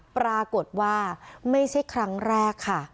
ปรากฏว่าไม่ใช่ครั้งแรกค่ะ